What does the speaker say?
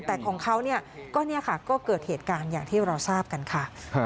แต่ของเขาก็เนี่ยค่ะก็เกิดเหตุการณ์อย่างที่เราทราบกันค่ะ